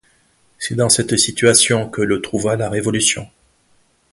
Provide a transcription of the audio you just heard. C'est dans cette situation que le trouva la Révolution.